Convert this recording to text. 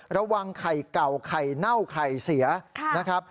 ระวังไข่เก่าไข่เน่าไข่เสียนะครับ